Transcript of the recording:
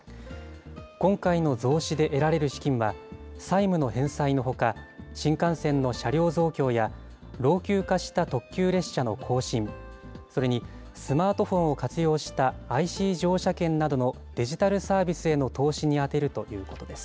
今回の増資で得られる資金は、債務の返済のほか、新幹線の車両増強や老朽化した特急列車の更新、それにスマートフォンを活用したＩＣ乗車券などのデジタルサービスへの投資に充てるということです。